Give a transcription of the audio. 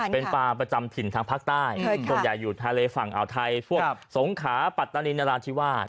เป็นปลาประจำถิ่นทางภาคใต้ส่วนใหญ่อยู่ทะเลฝั่งอ่าวไทยพวกสงขาปัตตานีนราธิวาส